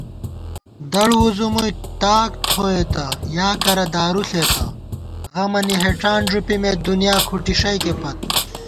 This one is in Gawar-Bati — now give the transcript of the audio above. دڑ وُځُومُوئی تاک تھوئیتہ یا کرہ دارُو ݪېتہ * غمَنی ہېڄان ݫُپِمېت دُنیا کھُٹی ݭَئیکے پت